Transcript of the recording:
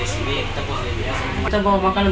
polisi masih mendalami kasus dugaan penelantaran anak